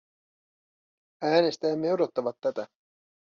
Äänestäjämme odottavat tätä.